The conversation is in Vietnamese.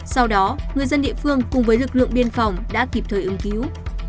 sau đó người dân địa phương cùng với lực lượng biên phòng đã kịp thời ứng cứu